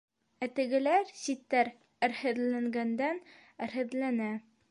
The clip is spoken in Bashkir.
Ә тегеләр, ситтәр, әрһеҙләнгәндән-әрһеҙләнә.